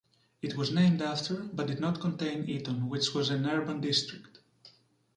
It was named after but did not contain Eton, which was an urban district.